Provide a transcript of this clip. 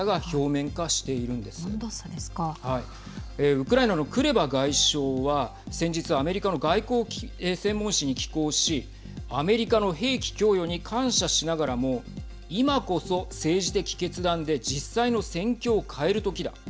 ウクライナのクレバ外相は先日、アメリカの外交専門誌に寄稿しアメリカの兵器供与に感謝しながらも今こそ、政治的決断で実際の戦況を変えるときだ。